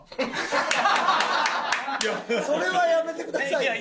それはやめてくださいよ。